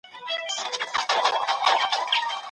ښاروالو ته وویل شول چې خپل ژوند خوندي کړي.